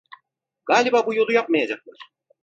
Galiba bu yolu yapmayacaklar.